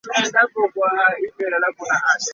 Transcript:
Abaana bangi babatwala ku ssomero nga tebaagala kusoma.